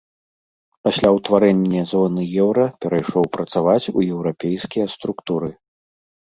Пасля ўтварэння зоны еўра перайшоў працаваць у еўрапейскія структуры.